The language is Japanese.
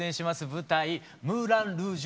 舞台「ムーラン・ルージュ！